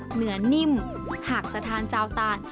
เนื้อนิ่มหากจะทานเจ้าตาล